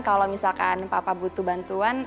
kalau misalkan papa butuh bantuan